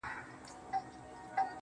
او ستا د خوب مېلمه به.